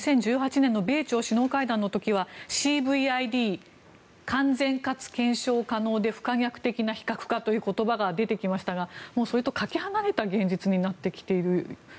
２０１８年の米朝首脳会談の時はＣＶＩＤ、完全かつ検証可能な不可逆的な非核化という言葉が出てきましたがそれをかけ離れた現実になってきている。